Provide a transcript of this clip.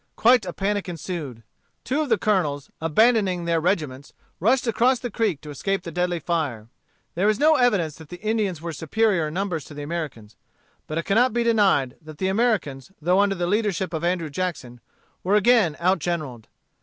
Quite a panic ensued. Two of the colonels, abandoning their regiments, rushed across the creek to escape the deadly fire. There is no evidence that the Indians were superior in numbers to the Americans. But it cannot be denied that the Americans, though under the leadership of Andrew Jackson, were again outgeneralled.